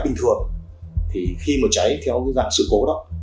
bình thường thì khi mà cháy theo cái dạng sự cố đó